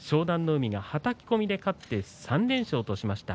海がはたき込みで勝って３連勝としました。